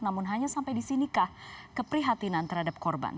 namun hanya sampai disinikah keprihatinan terhadap korban